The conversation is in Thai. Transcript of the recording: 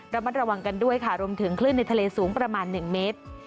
ระมัดระวังกันด้วยค่ะรวมถึงคลื่นในทะเลสูงประมาณ๑เมตร